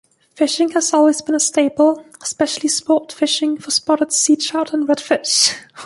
Fishing has always been a staple, especially sport fishing for spotted seatrout and redfish.